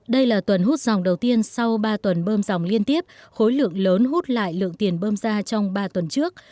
đây là tuần hút dòng đầu tiên sau ba tuần bơm dòng liên tiếp khối lượng lớn hút lại lượng tiền bơm ra trong ba tuần trước